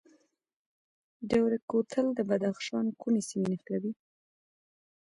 دوره کوتل د بدخشان کومې سیمې نښلوي؟